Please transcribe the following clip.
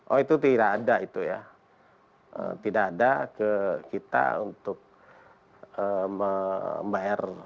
oh itu tidak ada itu ya tidak ada ke kita untuk membayar